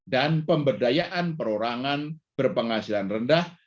dan pemberdayaan perorangan berpenghasilan rendah